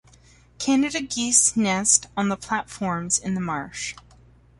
Canada geese nest on the platforms in the marsh.